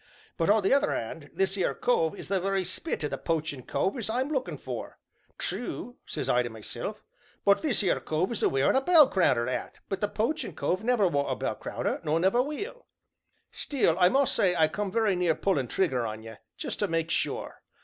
'But, on the other 'and, this 'ere cove is the very spit o' the poachin' cove as I'm a lookin' for. True!' sez I to meself, 'but this 'ere cove is a wearin' of a bell crowner 'at, but the poachin' cove never wore a bell crowner nor never will.' Still, I must say I come very near pullin' trigger on ye just to make sure.